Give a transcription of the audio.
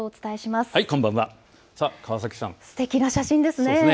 すてきな写真ですね。